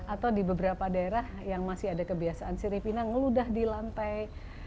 atau di beberapa daerah yang masih ada kebiasaan siripina ngeludah di lantai